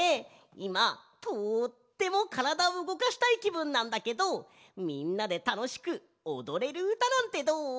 いまとってもからだをうごかしたいきぶんなんだけどみんなでたのしくおどれるうたなんてどう？